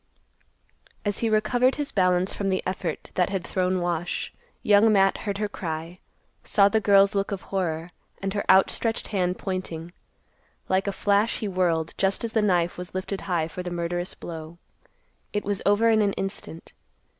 _ As he recovered his balance from the effort that had thrown Wash, Young Matt heard her cry, saw the girl's look of horror, and her outstretched hand pointing. Like a flash he whirled just as the knife was lifted high for the murderous blow. It was over in an instant.